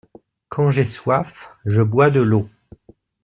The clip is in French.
Quand j’ai soif je bois de l’eau.